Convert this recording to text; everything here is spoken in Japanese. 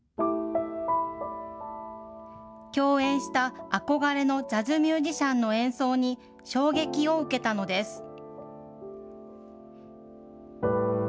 共演した憧れのジャズミュージシャンの演奏に衝撃を受けたのです。